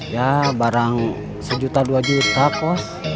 ya barang sejuta dua juta pos